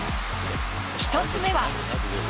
１つ目は。